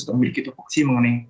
untuk memiliki fokusi mengenai